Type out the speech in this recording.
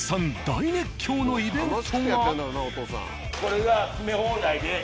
大熱狂のイベントが。